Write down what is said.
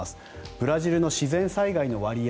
ブラジルの自然災害の割合